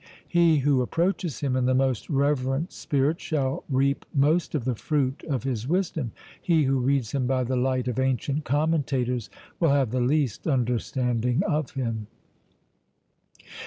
He who approaches him in the most reverent spirit shall reap most of the fruit of his wisdom; he who reads him by the light of ancient commentators will have the least understanding of him.